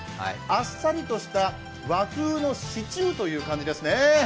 あっさりとした和風のシチューという感じですね。